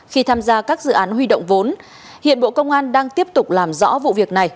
khi tham gia các dự án huy động vốn hiện bộ công an đang tiếp tục làm rõ vụ việc này